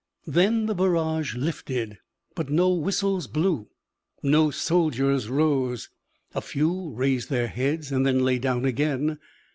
Then the barrage lifted. But no whistles blew. No soldiers rose. A few raised their heads and then lay down again.